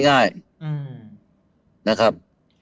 ง่ายนะครับ